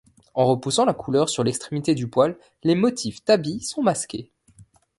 En repoussant la couleur sur l'extrémité du poil, les motifs tabby sont masqués.